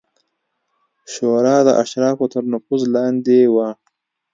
شورا د اشرافو تر نفوذ لاندې وه